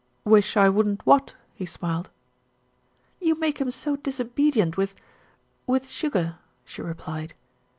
"Wish I wouldn't what?" he smiled. "You make him so disobedient with with sugar," she replied.